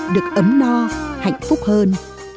được ấm no hạnh phúc hơn